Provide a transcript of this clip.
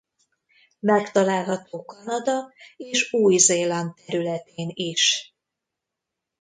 Megtalálható Kanada és Új-Zéland területén is.